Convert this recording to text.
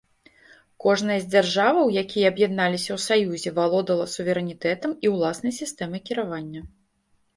Кожнае з дзяржаў, якія аб'ядналіся ў саюзе, валодала суверэнітэтам і ўласнай сістэмай кіравання.